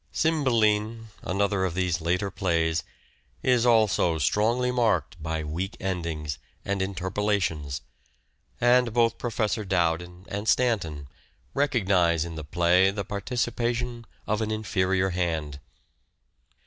" Cymbelline " (another of these later plays) is also strongly marked by " weak endings " and interpolations ; and both Professor Dowden and Stanton recognize in the play the participation of an inferior hand.